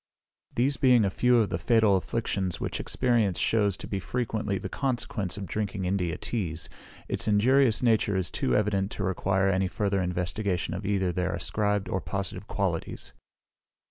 These being a few of the fatal afflictions which experience shews to be frequently the consequence of drinking India teas, its injurious nature is too evident to require any further investigation of either their ascribed or positive qualities.